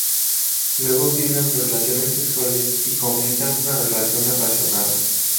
Luego tienen relaciones sexuales y comienzan una relación apasionada.